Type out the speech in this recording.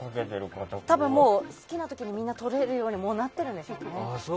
多分もう好きな時にみんなとれるようになってるんでしょうね。